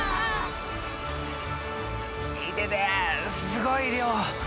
すごい量。